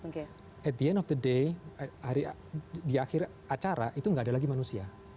pada akhirnya di akhir acara itu nggak ada lagi manusia